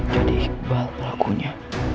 jadi iqbal pelakunya